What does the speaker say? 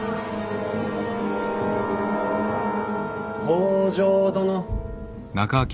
北条殿。